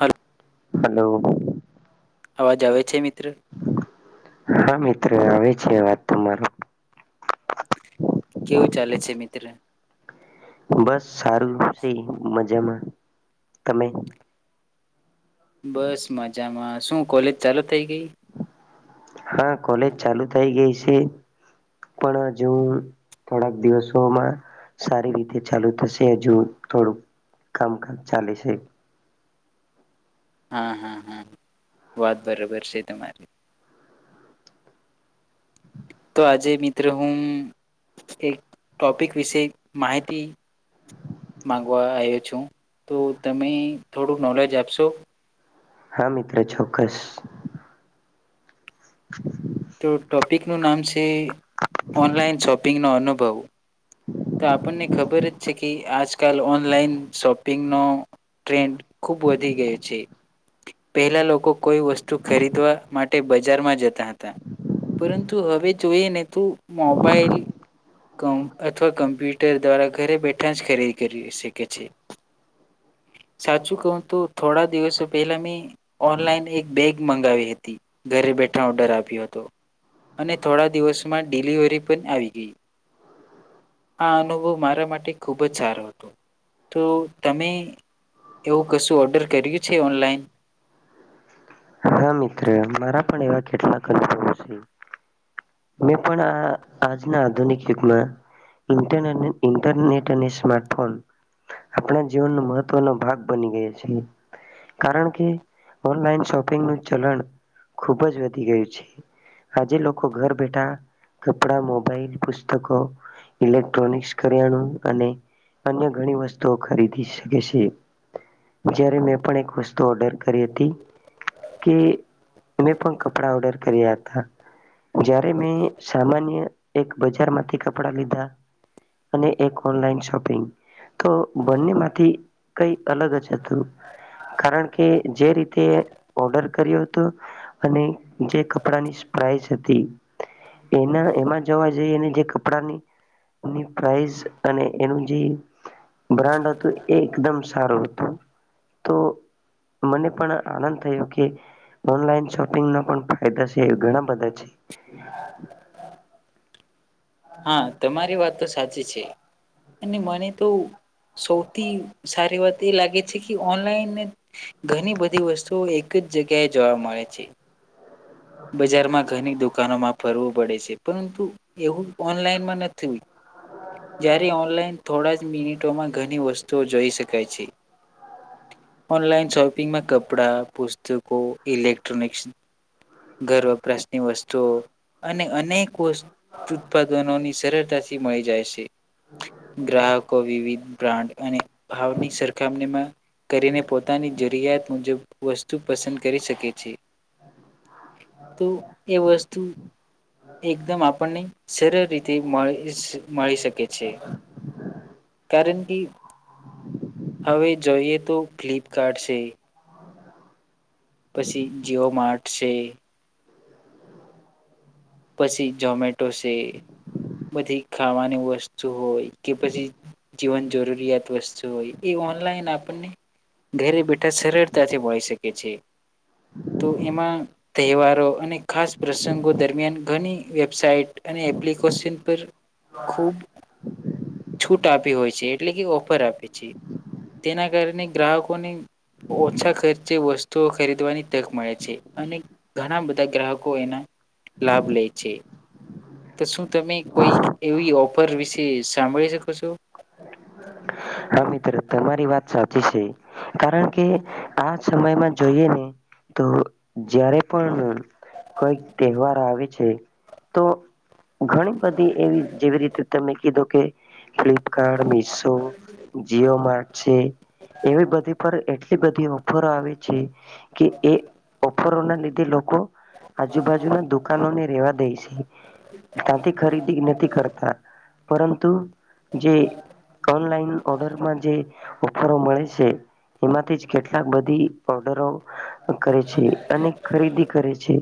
Hello hello અવાજ આવે છે મિત્ર હા મિત્ર આવે છે વાત તમાર કેવું ચાલે છે મિત્ર બસ સારું છે મજામાં તમે બસ મજામાં શું કોલેજ ચાલુ થઈ ગઈ. હા કોલેજ ચાલુ થઈ ગઈ છે પણ હજુ થોડાક દિવસોમાં સારી રીતે ચાલુ થશે હજુ થોડુંક કામકાજ ચાલે છે. હા હા હા વાત બરાબર છે તમારી તો આજે મિત્રો હું એક ટોપિક વિશે માહિતી માગવા આવ્યો છું તો તમે થોડું નોલેજ આપશો. હા મિત્ર ચોક્કસ. તો ટોપિકનું નામ છે ઓનલાઈન શોપિંગનો અનુભવ તો આપણને ખબર જ છે કે આજકાલ ઓનલાઈન શોપિંગનો ટ્રેન્ડ ખુબ વધી ગયો છે પહેલા લોકો કોઈ વસ્તુ ખરીદવા માટે બજ જતા હતા પરંતુ હવે જોઈને તો મોબાઈલ અથવા કમ્પ્યુટર દ્વારા ઘરે બેઠા જ ખરીદી કરી શકે છે સાચું કહું તો થોડા દિવસો પહેલા મેં ઓનલાઈન એક બેગ મંગાવી હતી ઘરે બેઠા ઓર્ડર આપ્યો હતો અને થોડા દિવસોમાં ડિલિવરી પણ આવી ગઈ. આ અનુભવ મારા માટે ખૂબ જ સારો હતો તો તમે એવું કશું ઓર્ડર કર્યું છે ઓનલાઈન. ટલા અનુભવો છે મે પણ આજના આધુનિક યુગમાં ઇન્ટરનેટ અને સ્માર્ટફોન આપણા જીવનનો મહત્વનો ભાગ બની ગયો છે કારણ કે ઓનલાનોપિંગ ખુબ જ વધી ગયું છે આજે લોકો ઘર બેઠા કપડા મોબાઈલ પુસ્તકો ઇલેક્ટ્રોનિક કરિયાણું અને અન્ય ઘણી વસ્તુઓ ખરીદી શકે છે જારે મેં પણ એક વસ્તુ ઓર્ડર કરી હતી. કે મેં પણ કપડા ઓર્ડર કર્યા હતા જારે મેં સામાન્ય એક બજાર માંથી કપડા લીધા અને એક ઓનલાઈન શોપિંગ તો બંને માંથી કઈ અલગ જ હતું કારણ કે જે રીતે ઓર્ડર કર્યો હતો અને જે કપડાની પ્રાઇસ હતી એના એમાં જવા જઈ અને જે કપડાની ની પ્રઇસ અને એનું જે બ્રાન્ડ હતું એ એકદમ સારું હતું તો મને પણ આનંદ થયો. ઓનલા શોપિંગ પણ ફાયદા છે ઘણા બધા છે. હા તમારી વાત તો સાચ છે અને મને તો સૌથી સારી વાત એ લાગે છે કે ઓનલાઈન ઘણી બધી વસ્તુઓ એક જ જગ્યાએ જોવા મળે છે. બજારમાં ઘણી દુકાનો માપ ફરવું પડે છે પરંતુ એવું ઓનલાઈનમાં નથી જ્યારે ઓનલાઈન થોડા જ મિનિટોમાં ઘણી વસ્તુઓ જોઈ શકાય છે ઓનલાઈન શોપિંગમાં કપડા પુસ્તકો ઇલેક્ટ્રોનિક ઘર વપરાશની વસ્તુઓ અને અનેક વ ઉત્પાદનોની સરળતાથી મળી જાય છે ગ્રાહકો વિવિધ બ્રાન્ડ અને ભાવની સરખામણીમાં કરીને પોતાની જરૂરિયાત મુજબ વસ્તુ પસંદ કરી શકે છે. તો એ વસ્તુ એકદમ આપણને સરળ રીતે મળી મળી શકે છે કારણ કે હવે જોઈએ તો ફ્લિપકાર્ટ છે. પછી જીઓ માર્ટ છે. પછી મેટો છે બધી ખાવાની વસ્તુ હોય કે પછી જીવન જરૂરિયાત વસ્તુ હોય એ ઓનલાઈન આપણને ઘરે બેઠા સરળતાથી મળી શકે છે તો એમાં તહેવારો અને ખાસ પ્રસંગો દરમિયાન ઘણી વેબસાઇટ અને એપ્લિકેશન પર ખૂબ છૂટ આપી હોય છે એટલે કે ઓફર આપે છે તેના કારણે ગ્રાહકોને ઓછા ખર્ચે વસ્તુઓ ખરીદવાની તક મળે છે અને ઘણા બધા ગ્રાહકો એના લાભ લે છે. તો શું તમે કોઈ એવી ઓફર વિશે સાંભળી શકો છો. હા મિત્ર તમારી વાત સાચી છે કારણ કે આ સમયમાં જોઈએ ને તો જયારે પણ કોઈક તહેવાર આવે છે તો ઘણી બધી એવી જેવી રીતે તમે કીધો ઓ કે. ફ્લિપકાર્ટ મીશો. જ માર્ટ છે એવી બધી પર એટલી બધી ઓફરો આવે છે. કે એ ઓફરના લીધ લોકો આજુબાજુના દુકાનોને રેવા દે છે ત્યાંથી ખરીદી નથી કરતા. પરંતુ જે ઓનલાઈન ઓર્ડર જે ઓફરો મળે છે એમાંથી જ કેટલાક બધી ઓર્ડરો કરે છે અને ખરીદી કરે છે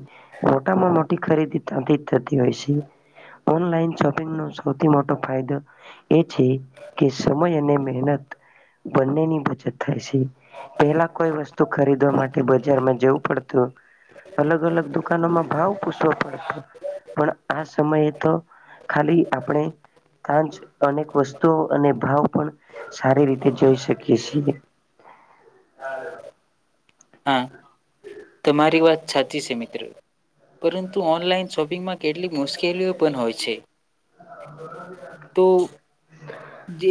મોટામાં મોટી ખરીદી ત થતી હોય છે ઓનલાઈન શોપિંગ ન સૌથી મોટો ફાયદો એ છે કે સમય બની બચત થાય છે પેલા કોઈ વસ્તુ ખરીદવા માટે બજારમાં જવું પડતું અલગ અલગ દુકાનોમાં ભાવ પૂછવો પડતો પણ આ સમયે તો ખાલી આપણે તંજ અનેક વસ્તુઓ અને ભાવ પણ સારી રીતે જોઈ શકીએ છીએ. હા તમારી વાત છાચી છે મિત પરંતુ ઓનલાઈન શોપિંગમાં કેટલીક મુશ્કેલીઓ પણ હોય છે. તો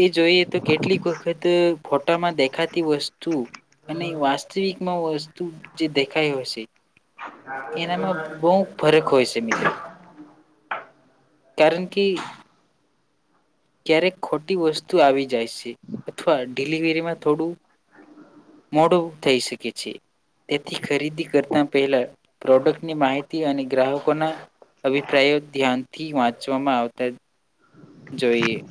એ જોઈએ તો કેટલીક વખત ફોટામાં દેખાતી વસ્તુ તું અને વાસ્તવિક માં વસ્તુ જે દેખાય હશે. એનામાં બહુ ફરક હોય છે મિત્રો. કારણ કે ક્યારેક ખોટી વસ્તુ આવી જ અથવા ડિલિવરીમાં થોડું મોડું થઈ શકે. છે તેથી ખરીદી કરતા પહેલા પ્રોડક્ટની માહિતી અને ગ્રાહક લોકો ના અભિપ્રાયો ધ્યાનથી વાંચવામાં આવતા જોઈએ.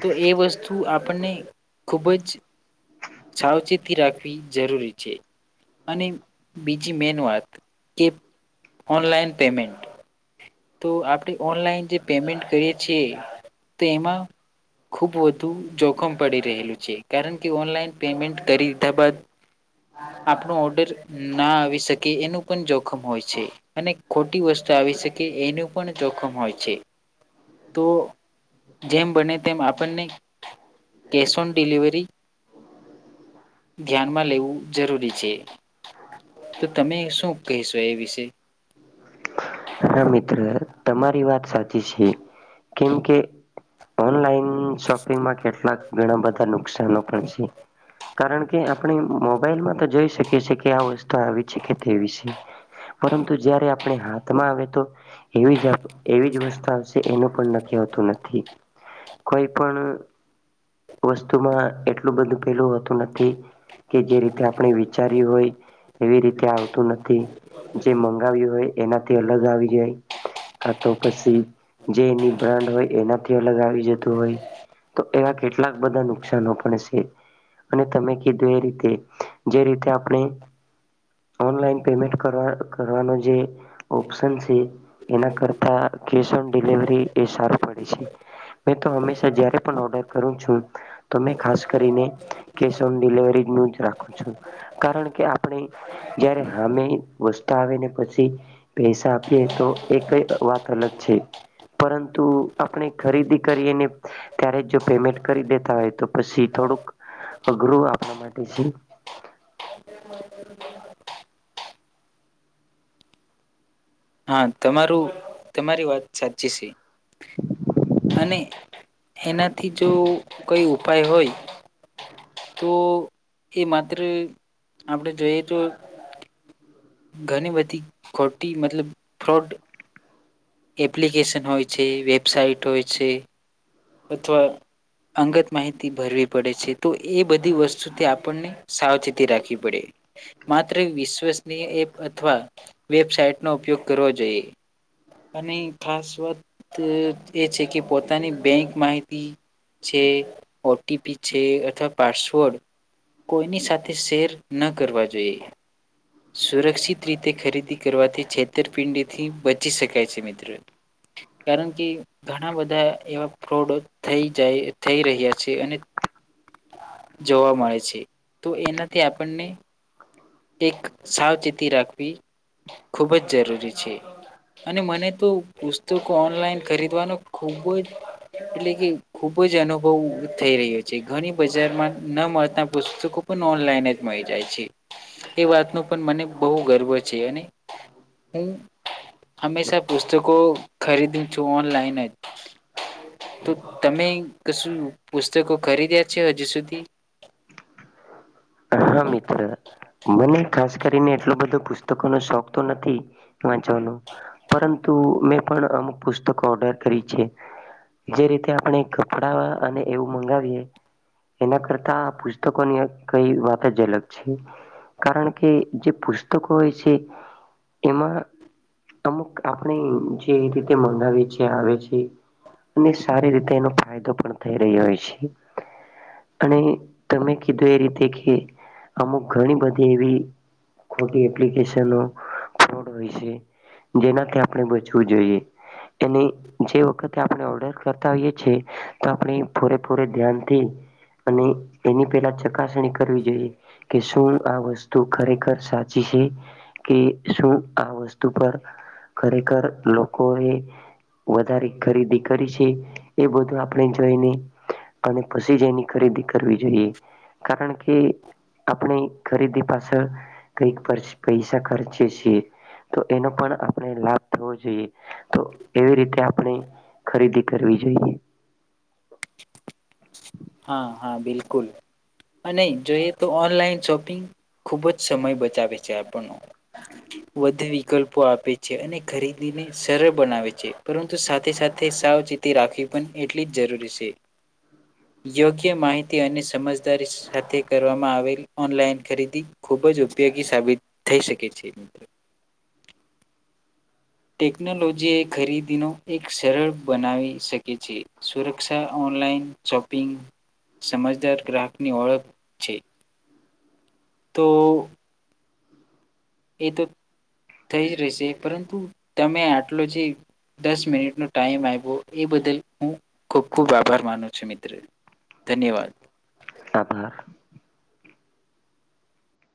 તો એ વસ્તુ આપણને ખૂબ જ સાવચેતી રાખવી જરૂરી છે અને બીજી મેન વાત કે ઓનલાઈન પેમેન્ટ તો આપણે ઓનલાઈન જે પેમેન્ટ કરીએ છીએ તો એમાં ખુબ વધુ જોખમ પડી રહેલું છે કારણ કે ઓનલાઈન પેમેન્ટ કરી દીધા બાદ આપણો ઓર્ડર ના આવી શકે એનું પણ જોખમ હોય છે અને ખોટી વસ્તુ આવી શકે કે એનું પણ જોખમ હોય છે તો જેમ બને તેમ આપણને કેશ ઓન ડિલિવરી ધ્યાનમાં લેવું જરૂરી છે તો તમે શું કહીશો એ વિશે. હા મિત્ર તમારી વાત સાચી છે કેમકે ઓનલાઈન શોપિંગમાં કેટલાક ઘણા બધા નુકસાનો પણ છે કારણ કે આપ મોબાઈલ માં તો જઈ શકીએ. કે આ વવસ્થા આવી છે કે તે વિશે પરંતુ જયારે આપણે આવે તો એવી જ એવી જ વસ્તુ આવશે એનું પણ ન હોતું નથી. કોઈ પણ. વસ્તુમાં એટલું બધું પેલું હોતું નથી કે જે રીતે આપણે વિચાર્યું હોય એવી રીતે આવતું નથી જે મંગાવ્યું હોય એનાથી અલગ આવી જાય તો પછી જે એની બ્રાન્ડ હોય એનાથી અલગ આવી જતું હોય તો એવા કેટલાક બધા નુકસાનો પણ છે અને તમે કીધું એ રીતે જે રીતે આપણે ઓનલાઈન પેમેન્ટ કરવા કરવાનો જે ઓપ્શન છે એના કરતા કેશ ઓન ડિલવરી એ સારું પડે છે મેં તો હંમેશા જ્યારે પણ ઓર્ડર કરુ છુ તમે ખાસ કરીને કેસ ઓન ડિલવરી નું જ રાખું છું કારણ કે આપણે જયારે હામે વસ્તા આવેને પછી પૈસા આપીએ તો એ ક વાત અલગ છે પરંતુ આપણે ખરીદી કરીએ ત્યારે જો. પેમેન્ટ કરી દેતા હોય તો પછી થોડુંક અઘરું આપણા માટે છે. હા તમારું તમારી વાત સાચી છે. અને એનાથી જો કઈ ઉપાય હોય. તો એ માત્ર આપણેે જોઈએ તો ઘણી બધી ખોટી મતલબ ફ્રોડ એપ્લિકેશન હોય છે વેબસાઇટ હોય છે અથવા અંગત માહિતી ભરવી પડે છે તો એ બધી વસ્તુથી આપણને સાવચેતી રાખવી પડે માત્ર વિશ્વસનીય એપ અથવા વેબસાઇટનો ઉપયોગ કરવો જોઈએ. અને ખાસ વાત એ છે કે પોતાની બેંક માહિતી છે ઓટીપી છે અથવા પાસવર્ડ કોઈની સાથે શેર ન કરવા જોઈએ સુરક્ષિત રીતે ખરીદી કરવાથી છેતરપિંડી થી બચી શકે. છે મ્રો કારણ કે ઘણા બધા એવા ફ્રોડો થઈ જાય થઈ રહ્યા છે અને જોવા મળે છે તો એનાથી આપણને એક સાવચેતી રાખવી ખૂબ જ જરૂરી છે અને મને તો પુસ્તકો ઓનલાઈન ખરીદવાનો ખૂબ જ એટલે કે ખૂબ જ અનુભવ થઈ રહે છે ઘણી બજારમાં ન મળતા પુસ્તકો પણ ઓનલાઈન જ મળી જાય છે. એ વાતનું પણ મને બહુ ગર્વ છે અને હું હંમેશા પુસ્તકો ખરીદું છું ઓનલાઈન જ તો તમે કશું પુસ્તકો ખરીદ્યા છે હજુ સુધી હા મિત્ર મને ખાસ કરીને એટલો બધો પુસ્તકોનો શોખ તો નથી વાંચવાનો પરંતુ મેં પણ અમુક પુસ્તકો ઓર્ડર કરી છે જે રીતે આપણે કપડા અને એવું મંગાવીએ એના કરતા પુસ્તકોની કઈ વાત જ અલગ છે કારણ કે જે પુસ્તકો હોય છે એમાં અમુક આપણે જે રીતે મંગાવી છે આવે છે અને સારી રીતે એનો ફાયદો પણ થઈ રહો હોય છે અને તમે કીધું એ રીતે શીખે અમુક ઘણી બધી એવી ખોટી એપ્લિકેશનો ફોટ હોય છે જેનાથી આપણે બચવું જોઈએ અને જે વખતે આપણે ઓર્ડર કરતા હોઈએ છે તો આપણે પૂરેપૂરે ધ્યાનથી અને એની પેલા છ ચકાસણી કરવી જોઈએ કે શું આ વસ્તુ ખરેખર સાચી છે કે શું આ વસ્તુ પર ખરેખર લોકો એ વધારે ખરીદી કરી છે એ બધું આપણે જોઈને અને પછી જ એની ખરીદી કરવી જોઈએ. કારણ કે આપણે ખરીદી પાછળ કઈક પચ પૈસા ખર્ચે છીએ તો એનો પણ આપણે લાભ થવો જોઈએ તો એવી રીતે આપણે ખરીદી કરવી જોઈએ. હા હા બિલકુલ અને જોઈએ તો ઓનલાઈન શોપિંગ ખુબ જ સમય બચાવે છે આપણનો વધુ વિકલ્પો આપે છે અને ખરીદીને સરળ બનાવે છે પરંતુ સાથે સાથે સાવચેતી રાખવી પણ એટલી જ જરૂરી છે. યોગ્ય માહિતી અને સમજદારી સાથે કરવામાં આવેલ ઓનલાઈન ખરીદી ખૂબ જ ઉપયોગી સાબિત થઈ શકે છે ટેકનોલોજી એ ખરીદીનો એક સરળ બનાવી શકે છે સુરક્ષા ઓનલાઈન શોપિંગ સમજદાર ગ્રાહકની ઓળખ છે તોઓ એ તો થઈ જ રહેશે પરંતુ તમે આટલો જે દસ મિનિટનો ટાઈમ આવો એ બદલ હું ખૂબ ખૂબ આભાર માનું છું મિત્ર ધન્યવાદ તપાર